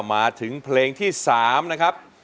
แล้วมาถึงเพลงที่สามนะครับ